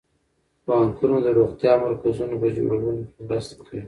بانکونه د روغتیايي مرکزونو په جوړولو کې مرسته کوي.